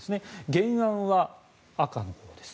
原案は赤のほうです。